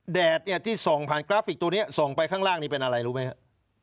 แดดเนี่ยที่ส่องผ่านกราฟิกตัวนี้ส่องไปข้างล่างนี้เป็นอะไรรู้ไหมฮะ